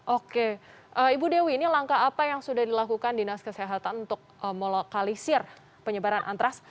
oke ibu dewi ini langkah apa yang sudah dilakukan dinas kesehatan untuk melokalisir penyebaran antras